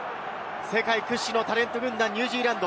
世界屈指のタレント軍団ニュージーランド。